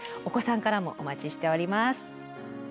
お子さんからもお待ちしております。